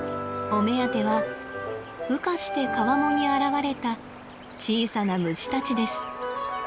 お目当ては羽化して川面に現れた小さな虫たちです。